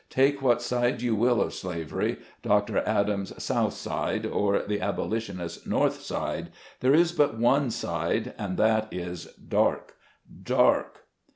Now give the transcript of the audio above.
take what side you will of slavery — Dr. Adams' "South side", or the Aboli tionist's North side — there is but one side, and that is dark, dark.